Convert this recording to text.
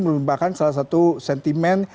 melumbarkan salah satu sentimen